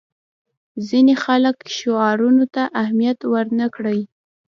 ځینې خلک شعارونو ته اهمیت ورنه کړي.